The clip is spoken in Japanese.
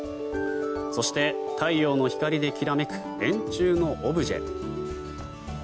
そして太陽の光できらめく円柱のオブジェ。